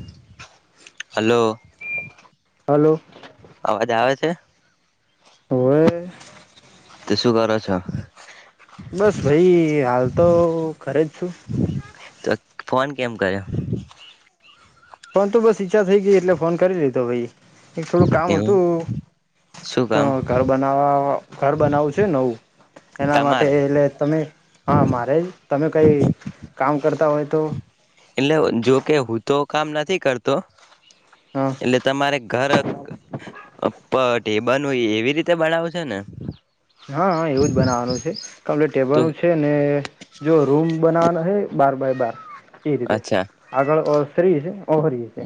[inaudible] Hello hello અવાજ આવે છે હોવે શું કરો છો. બસ ભાઈ હાલ તો ઘરે જ છું. તો ફોન કેમ કર્યો. પણ તો બસ ઈચ્છા થઈ ગઈ એટલે ફોન કરી લીધો એક થોડું કામ એવું હતું શું કામ ઘર બનાવ ઘર બનાવવું છે નવું એના માટે તમારે એટલે તમે હા મારે તમે કઈ કામ કરતા હોય તો એટલે જોકે હું તો કામ નથી કરતો. હા એટલે તમારે ઘર [unintelligible] હોય એવી રીતે બનાવ છે ને હા હ એવું જ બનાવવાનું છે કલે તો ટેબલ છે ને જો રૂમ બનાવવાનો હ બાર બાર એ રીતે અચ્છા આગળ સરી છે ઓહરી છે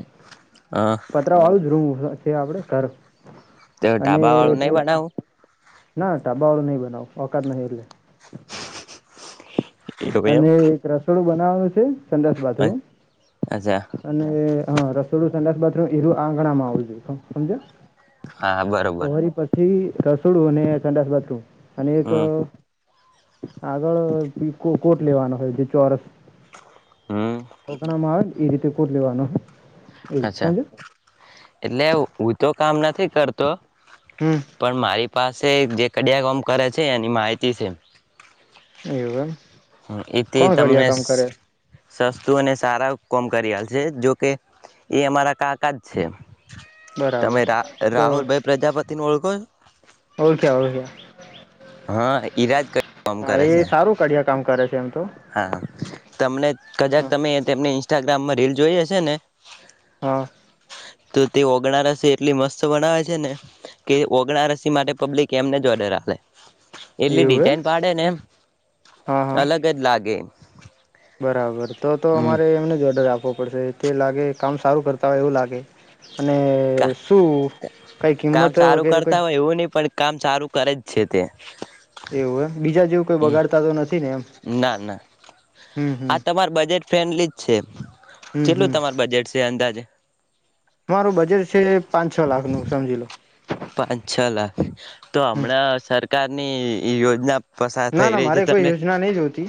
હા પતરા વારું જ આપડે કર તે ઢાબા વાળું નહી બનાવું ના ઢાબાવાળું નઈ બનાવુ ઓકાત નહી એટલે [inaudible] [unintelligible] એમ બનાવવાનું છે સંડાસ બાથરૂમ અચ્છા અને હા રસોડું [unintelligible] એ આંગણામાં આવું જોઈએ હા સમજ્યા બરોબર ઓરી પછી રસોડું અને સંડાસ બાથરૂમ અને એક હમ આગળ કોટ લેવાનો હોય જે ચોરસ હમ [unintelligible] એ રીતે કોટ લેવાનું અચ્છા એટલે હું તો કામ નથી કરતો. હમ પણ મારી પાસે કડિયા કોમ કરે છે એની માહિતી છે. એવુ એમ હ એથી કોણ તમને કડિયા કામ કરે સસ્તું અને સારા કોમ કરી આલ છે જોકે એ અમારા કાકા જ છે તમે બરાબર રા તો રાહુલભાઈ પ્રજાપતિ ન ઓળખો છો ઓળખ્યા ઓળખ્યા હા ઈરાજ ક કામ હા કરે એ છે સારું કડિયા કામ કરે એમ તો હા તમને કજાક હા તમેને ઇન્સ્ટાગ્રામ રલ જોઈ હશે ને હા તો તે ઓગણા રસે એટલી મસ્ત બનાવે છે ને કે ઓગણ રસી માટે પબ્લિક એમને જોડે રહે એટલી એવું એમ ડિઝઇન પાડે ને એમ હા હા અલગ કેન બરાબર તો તો અમારે એમને જ ઓર્ડર આપે ો પડશે તે લાગે કામ સારું કરતા હોય એવું લાગે અને કા શું કઈ કામ કિંમત સારું વગેરે કઈ કરતા હોય એવું નહી પણ કામ ચારું કર જ છે તે એવું એમ બીજા જેવું કોઈ બગાડતા તો નથી ને એમ ના ના હમ હમ આ તમાર બજેટ ફ્રેન્ડલી જ છે હમ હમ કેટલું તમાર બજેટ છે અંદાજ મારું બજેટ છે પાંચ છ લાખનું સમજી લો પાંચ છ લાખ તો હમ હમણાં સર સરકારની યોજના પસાર ના થઈ ના રહી છે મારે કોઈ તમને યોજના નહી જોતી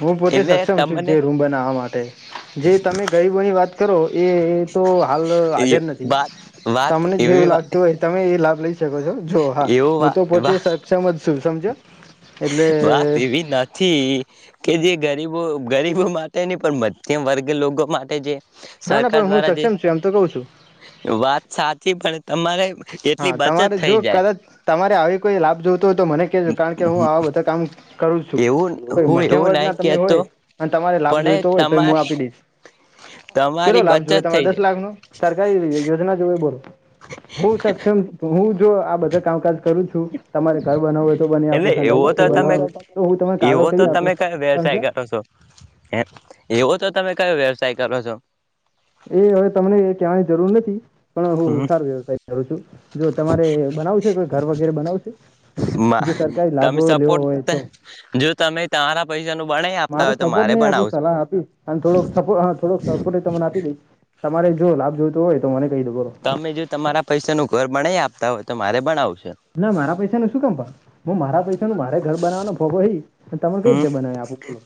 હું પોતે એટલે સક્ષમ છું તમને જે રૂમ બનાવવા માટે જે તમે ગરીબો ની વાત [inaudible] એ તો હાલ હાજર નથી વાત વાત તમને એવી જેવું લાગતું હોય તમે એ લ છ જો હા હું એવું તો પોતે વાત સક્ષમ જ શું સમજો વાત એવી નથી કે જે ગરીબો ગરીબો માટે નહી પણ મધ્યમ વર્ગ લોકો માટે જે ના ના સરકાર પણ હું દ્વારા જે સક્ષમ છું એમ તો કઉ છું વાત સાચી પડે તમારે એટલી હા બચત તમારે થઈ જો જાય કદાચ તમારે આવી કોઈ લાભ જોતો હોય તો મને કેજો કારણ કે કે હું આવા બધા કામ કરું છું એવું કોય હું મધ્યમ એવું નહીં વર્ગના તમે કહેતો હોય અને તમારે લાભ પણ જોઈતો હોય તો હું તમારી આપી દઈશ કેટલો તમારી લાભ બચત જોએ તમારે થઈ દસ જાય લાખનો સરકારી યોજના જો ઉભોરે [inaudible] સક્ષમ હુંજ જો આ બધા કામકાજ કરું છું તમારે ઘર બનાવો હોય તો બની એટલે આપુ છું એવો તમે તો હું તને કાગળ એવો કરી તો તમે આપીશ કયો સમજયો વ્યવસાય કરો છો હે એવો તો તમે કયો વ્યવસાય કરો છો. એ હવે તમને ક્યાય જરૂર નથી. પણ હું હમ સાર વ્યવસાય કરું છું જો તમારે બનાવુ છે કે ઘર વગેરે બનાવુ છે મા જે સરકારી લાભ તમે લેવો હોય સપોર્ટ તો જો તમે તમારા પૈસાનું બનાવી આપતા મારો હોય તો સપોર્ટ મારે નહી આપું બનાવું છે. સલાહ આપીશ અને થોડોક સપ થોડોક સપોર્ટ તમને આપી દઈશ તમારે જો લાભ જોતુ હોય તો મને કહી દો બોલો તમે જો તમારા પૈસાનું ઘર બણાય આપ તા હોય તો મારે બનાવુ ના મારા પૈસાનું શું કામ પણ હું મારા પૈસાનુ મારે ઘર બનાવાનો ભોગોઈ તમે કઈ હમ રીતે બનાવે આપો બોલો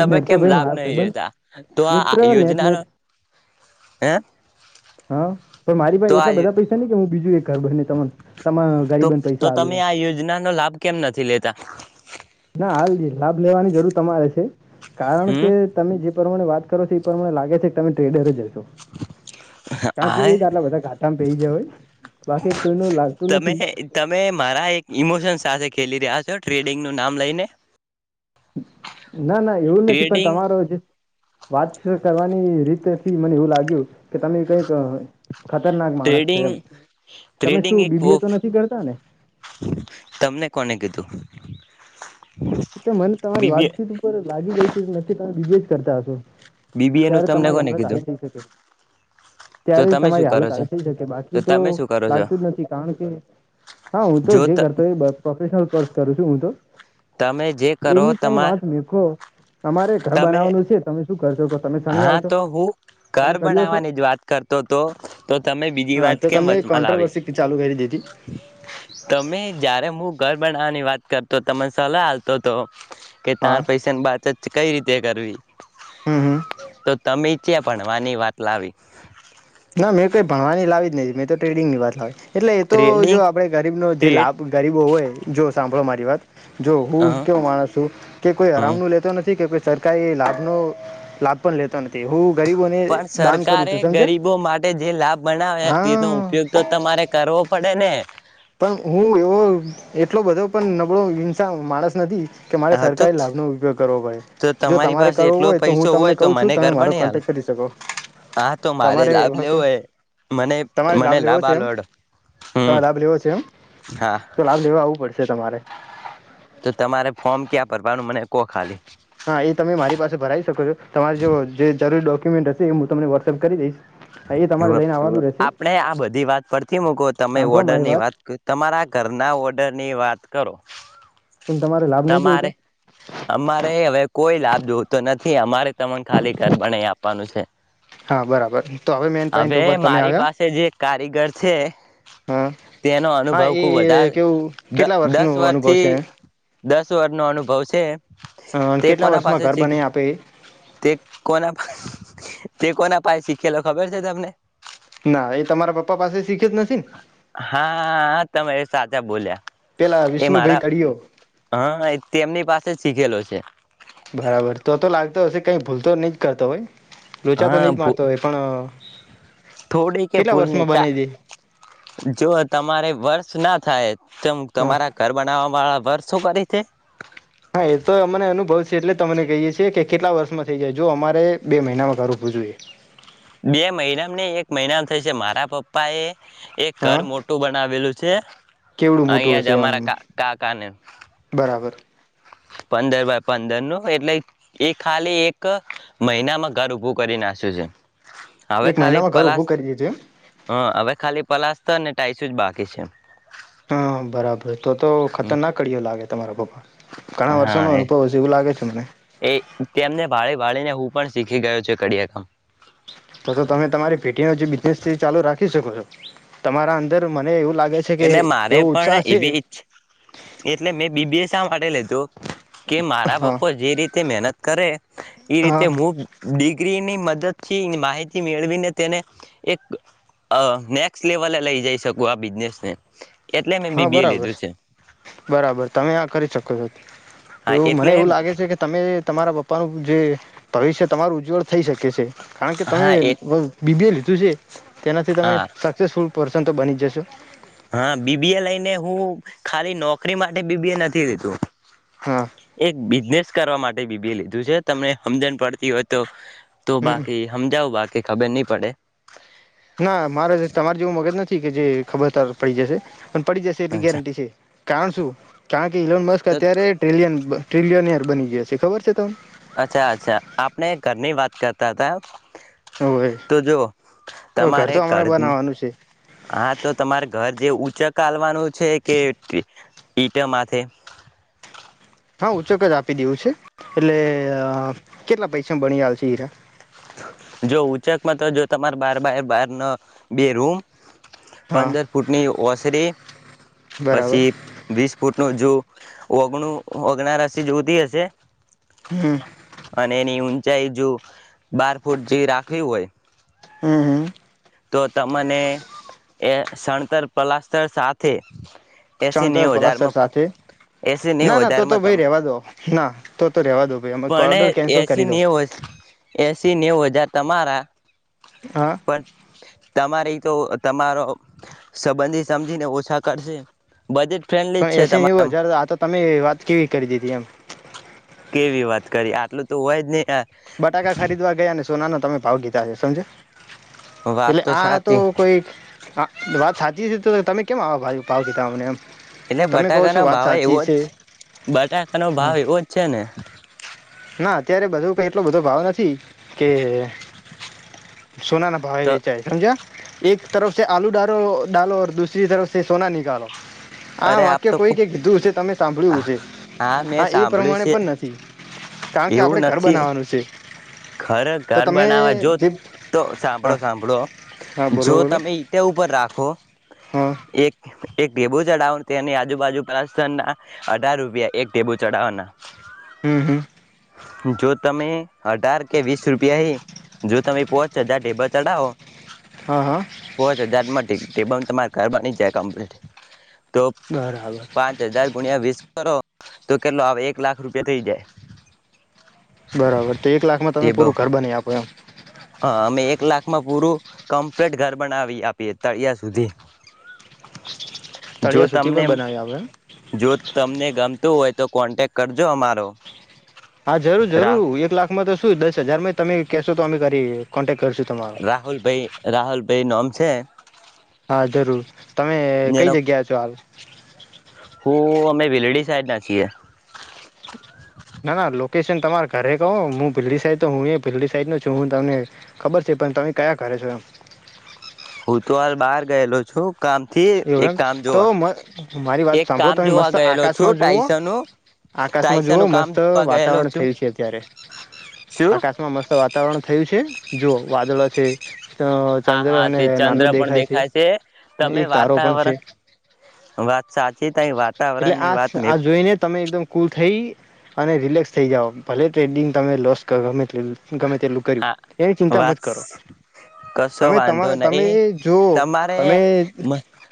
તમે તો કેમ ભાઈ લાભ મારા નહીં ભાઈબંધ લેતા તો આ મિત્ર નેને યોજનાનો હે હા પણ મારી તો ભાઈ આ એટલા બધા પૈસા નહી કે હું બીજું એક ઘર બનાઈ કાડુ તો તો તમે આ યોજનાનો લાભ કેમ નથી લેતા ના હાલ જ લાભ લેવાની જરૂર તમારે છે. કારણ કે હમ તમે જે પ્રમાણે વાત કરો છો એ પ્રમાણે લાગે છે કે તમે ટ્રેડર જ કારણ કે એ આ જ આટલા બધા ઘાટામાં પેહી જયા હોય બાકી કોઈનુ લાગતું તમે નથી તમે મારા એક ઇમોશન સાથે ખેલી રહ્યા છો ટ્રેડિંગનું નામ લઈને ના ના એવું નથી પણ ટ્રેડિંગ તમારો જે વાત કરવાની રીતથી મને એવું લાગ્યું કે તમે કઈક ખતરનાક માણસ છો ટ્રેડિંગ એમ તમે ટ્રેડિંગ શું એક બીબીએ તો વફ નથી કરતા ને તમને કોને કીધું. એતો મને તમારી બીબીએ વાતચીત ઉપર લાગી ગઈ છે નથી તમે બીજે જ કરતા છો બીબીએ નું ત્યારે તમને તમારી કોને હાલત કીધું આવી થઇ શકે તો ત્યારે તમે શું તમારી કરો હાલત છો આવી થઈ શકે બાકી તો તમે શું કરો છો લાગતું જ નથી કારણ કે હા હું તો જો જે ત કરતો પ્રોફેશનલ કોર્સ કરું છું હું તો તમે જે કરો એની કઈ તમાર વાત મેખો તમારે ઘર તમે બનાવાનું છે તમે શું કરશો કો તમે શણી હા આવશો તો હું ઘર તમે કર્યો છો બનાવાની જ વાત કરતો હતો તો તમે બીજી હા વાત તો કેમ તમે વચમાં લાવી કોન્ટ્રોવર્સી ચાલુ કરી દીધી તમે જારે હું ઘર બનાવવાની વાત કરતો તને સલાહ ચાલતો તો કે તાર હા પૈસા ની બાતત કઈ રીતે તે કરવી હમ હમ તો તમે ચ્યા ભણવાની વાત લાવી ના મેં કોઈ ભણવાની લાવી જ નથી મેં તો ટ્રેડિંગ ની વાત લાવ એટલે એ તો જો ટ્રેડિંગ આપડે ગરીબનોો જે ટ્રેડ લાભ ગરીબો હોય જો સાંભળો મારી વાત જો હ હું કેવું માણસ છું કે કોઈ હ હરામ નું લેતો નથી કે સર કઈ લાભનો લાભ પણ લેતો નથી હું ગરીબોને પણ દાન કરું સરકારે છું સમજ ગરીબો માટે જે લાભ બનાવે તેનો ઉપયોગ તો તમારે કરવો પડે ને [inaudible] પણ હું એવો એટલો બધો પણ નબળો હિંસા માણસ નથી કે મારે હા તો સરકારી લાભનોો ઉપયોગ કરવો પાઈ તો જો તમારી તમારે પાસે કરવો એટલો હોય તો પૈસો હું હોય તમને તો કું છું મને ઘર તમે મારો બને હાલ કોન્ટેક કરી શકો હા તો મારે તમારે લાભ એ લેવો કોઈ હોય મને તમારે મને લાભ લેવો છે આલો એમ હેડો હમ લાભ લેવો છે હા તો લાભ લેવા આવવું પડશે તમારે તો તમારે ફોર્મ ક્યાં ભરવાનું મને કો ખાલી હા એ તમે મારી પાસે ભરાઈ શકો છો તમારી જો જે જરૂરી ડોક્યુમેન્ટ હશે એ હું તમને વોટ્સઅપ કરી દઈશ હા એ તમારે લઈને આવવાનું રહેશે આપણે આ બધી વાત ફથી મૂકો તમે સાંભળો ઓર્ડર મારી ની વાત કર તમારા ઘરના ઓર્ડર ની વાત કરો પણ તમારે લાભ નહીં જોયું તો તમારે અમારે હવે કોઈ લાભ જોતો નથી અમારે તને ખાલી ઘર બના આપવાનું છે હા બરાબર તો મેન પોઈન્ટ હવે ઉપર તમે મારી આવ્યા પાસે જે કારીગર છે હા તેનો હા અનુભવ એ ખુબ વધારે કેવું કેટલા દસ વર્ષનું અનુભવ વર્ષથી છે દસ સ્ર નો અનુભવ છે અ તે કેટલા કોના વર્ષમાં પાસે ઘર છે બનાવી આપે એ? તે કોના તે કોના પાસે શી કેેલો ખબર છે તમને ના એ તમારા પપ્પા પાસે શીખે જ નથી ને? હા તમે સાચા બોલ્યા પેલા એ વિષ્ણુભાઈ મારા કડીયો હ તેમની પાસે શીખેલો છે બરાબર તો તો લાગતો હશે કઈ ભૂલતો નહી જ કરતો હોય લોચા તો હા નહી જ મારતો હોય પણ થોડી કે કેટલા ભૂલ વર્ષમાં નનીતા બનાવી દે? જો તમારે વર્ષ ના થાય ત હા તમારા ઘર બનાવવા વાળા વર્ શું કરે તે? હા, એ તો અમને અનુભવ છે એટલે તમને કહીએ છેએ કે કેટલા વર્ષમાં થઇ જાય જો અમારે બે મહિનામાં કાર રૂપવું જોઈએ. બે મહિના નહીં એક મહિના થાય છે મારા પપ્પા એ એક ઘર હા મોટું બનાવેલું છે, કેવડું મોટું અહીયાંજ હશે આમ અમારાા કા-કાકાને. બરાબર. પંદર બાય પંદર નું એટલે એ ખાલી એક મહિનામાં ઘર ઉભું કરી નાસ્યું છે. હવે એક ખાલી મહિનામાં ઘર પલાસ ઉભું કરી દીધું એમ? હા હવે ખાલી પલાસ ટતને ટાઈસું જ બાકી છે. હા બરાબ તો તો કોળિયો લાગે. તમારો. હા છે મને. એ એ તેમને ભાળે ભાળી ને હું પણ શીખી ગયો છે કડીયાકમ. તો તો તમે તમારી પેટી ન જે બિઝનેસ છે એ ચાલુ રાખી શકો છો. તમારા અંદર મને એવું લાગે છે કે એટલે મારે એવો પણ ઉત્સાહ છે એવી ઈચછ એટલે મેં બી બી એ શા માટે લે કે મારા હા પપ્પો જે રીતે મહેનત કરે એ રીતે હા હું ડિગ્રીની મદદથી માહિતી મેળવીને તેને એક અહ નેક્સ્ટ લેવલે લઈ જઈ શકું આ બિઝનેસ ને. હા, બરાબર બરાબર તમે આ કરી શકો છો. હા એવું મને એટલે એવું લાગે છે કે તમે તમારા પપ્પાનું જે ભવિષ્ય તમારું ઉજ્જવળ થઈ શકે છે. કારણ કે તમે હા એ વ બીબીલ તું જે તેનાથી તમે હા સક્સેસફુલ પરસન તો બની જશે. હા બી બી એ લઈને હું ખાલી નોકરી માટે બી બી એ નથી દેતું. હા એક બિઝનેસ કરવા માટે બી બી એ લીધું છે તમને હમજન પડતી હોય તો તો હમ બાકી હમજાવ બાકી ખબર નહી પડે. ના મારે તમારે જેવું મગજ નથી કે જે ખબરદાર પડી જશે. પણ પડી જશે એટલી ગેરંટી છે. કારણ શું કાણ ઇલોન મસ અત્યારે ટ્રિલિયન બ ટ્રિલિનયર બની ગયા છે ખબર છે તમને અચ્છા અચ્છા આપણે ઘરની વાત કરતા હતા હવે તો જો તમારે તો અમારે ઘર બનાવવાનું છે હા તો તમારે ઘર જે ઉઊંચ કાલવાનું છે કે ઈટા માથે હા ઉચક જ આપી દેવું છે એટલે કેટલા પૈસામાં ભણી છે હીરા જો ઉંચકમાં તો જો તમાર બાર બાર બાર ન બે રૂમ હા પંદર ફૂટની ઓસરી બરાબર પછી વીસ ફૂટ ન જો ઓગણું ઓગના રાશિ જોતી હશે હમ અને એની ચહે જો બાર ફૂટ જે રાખવી હોય હમ હમ તો તને એ શણતર પલાસ્તર સાથે એસી ચણર નેવ પોલા હજારમાં સાથે એસી નેવ ના ના તો તો હજારમાં તમ ભાઈ રેવા દો ના તો તો રેવા દો અ ઓર્ડર કેન્સલ કરી દો એસીી નેવ હજાર તમારા હા પણ તમારે તો તમારો સંબંધી સમજીને ઓછા કરશે બજેટ ફ્રેન્ડલી જ પણ છે એસી ન એવું તમારા જ આ તો તમે વાત કેવી કરી દીધી એમ કેવી વાત કરી આટલું તો હો જ ન બટાકા ખરીદવા ગયા ને સોના નો તમે ભાવ ગીધા છે સમજ વાત એટલે આ તો સાચી કોઈ હા વાત સાચી છે તો તમે કેમ આવો ભાઈ પાવ કીતામને એમ એટલે તમે કહો છો બટાકાનોો વાત ભાવ સાચી એવો જ છે બટાકાનોો હા. ભાવ એવો જ છે ને ના અત્યારે બધું કઈ એટલો બધો ભાવ નથી કે સોના ના ભાવે તો વિેચાય સમજ એક તરફસે આલુ ડો ડાલો દૂસરી તરફ સોના નિકાલો આ અરે આપ વાક્ય તો કોઈ ક કીધું છે તમે સાંભળ્યુંશે હા મેં આ એ સાંભળ્યું પ્રમાણે છે પણ નથી કારણ કે આપણે ઘર બનાવાનું છે ઘરે તો ઘર તમે બનાવા જો જે તો સાંભળો હા સાંભળો હા બોલો જો બોલો તમે ઇંટો ઉપર રાખો હા એક એક ઢેબુ ચડાવવાનું તેની આજુબાજુ પ્લસ [unintelligible] ના અઢાર રૂપિયા એક ઢેબુ ચડાવવાના હમ હમ જો તમે અઢાર કે વીસ રૂપિયા હ જો તમે પોહચ હજાર ઢેબા ચઢાવો હા હા પોહચ હજાર માટે તમારે ઘર બની જાય કમ્પ્લીટ તો બરાબર પાંચ હજાર ગુણ્યા વીસ કરો તો કેટલો આવે એક લાખ રૂપિયા થઈ જાય બરાબર તો એક એક લાખમાં તમે ટેબો પૂરું ઘર બની આપો એમ હા અમે એક લાખમાં પૂરું કમ્પ્લીટ ઘર બનાવી આપી તળિયા સુધી જો તળિયા સુધી તમને પણ એમ બનાવી આપો એમ જો તમને ગમતું હોય તો કોન્ટેક્ટ કરજો અમારો હા જરૂર રા જરૂર એક લાખ માં તો શું દસ હજાર માં એ તમે કેશો તો અમે કરીએ કોન્ટક રાહુલ ભાઈ રાહુલ તે નોમ છે હા જરૂર તમે કઈ એનો જગ્યા છો હાલ હું અમે ભીલડી સાઈડ છીએ ના ના લોકેશન તમારા ઘરે કહો હું ભિલડી સાઈડ તો હું ભિલડી સાઈડ નો છું હું તમને ખબર છે પણ તમે કયા ઘરે છો એમ હું તો હાલ બહાર ગયેલો છું કામથી એક કામ તો જોવા મારી વાત એક સાંભળો કામ તમે જોવા મસ્ત ગયેલો છું આકાશમાં જોવો ટાઈસનનું આકાશમાં જુઓ ટાઈસનનું કામ મસ્ત જોવા ગયેલો વાતાવરણ છું થયું છે અત્યારે શું આકાશમાં મસ્ત વાતાવરણ થયું છે જો વાદળો છે તો હા ચંદ્ર હા અને તે ચંદ્ર નાનું પણ દેખાય છે એક પણ છે હવા એટલે આ આ જોઈને તમે એકદમ કુલ થઈ અને રિલેક્સ થઇ જાઓ ભલે ટ્રેડિંગ તમે લોસ કર ગમે ગમે તેટલું કર્યું હા એની ચિંતા મત વાત કરો કશો તમે વાંધો તમારા તમે નહી જો તમારે તમે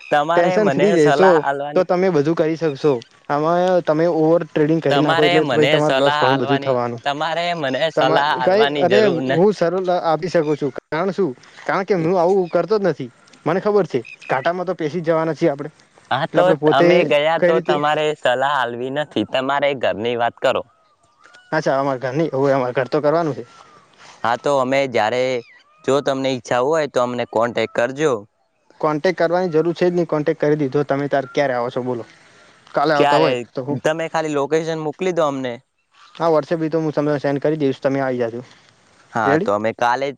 તમારે ટેન્શન મને ફ્રી સલાહ રશો આલવાની તમે બધું કરી શકશો આમાં તમે ઓવર ટ્રેડિંગ કરી નાખો તમારે એટલે ભઈ મને તમાર લોસ સલાહ ઘણું બધું આલવાની થવાનું તમારે મને તમા સલાહ કઈ આલવાની અરે જરૂર ન હું [unintelligible] આપી શકું છું કારણ શું કારણ કે હું આવું કરતો જ નથી મને ખબર છે કાંટામાં તો પસી જવાના છીએ આપડણે હા તો અમે ગયા તો તમારે સલાહ હાલવી નથી તમારે ઘરની વાત કરો અચ્છા અમાર ઘર ન એવું અમાર ઘર તો કરવાનું છે હા તો અમે જયારે જો તમને ઈચ્છા હોય તો અમને કોન્ટેક્ટ કરજો કોન્ટેક્ટ કરવાની જરૂર છે જ નહીં કોન્ટેક્ટ કરી દીધો તમે તાર ક્યારે આવો છો બોલો કાલે આવતા ક્યારે હોય તો હું તમે ખાલી લોકેશન મોકલી દો અમને હા વોટ્સઅપી તો હું તમને સેન્ડ કરી દઈશ તમે આવી જ હા તો અમે કાલે જ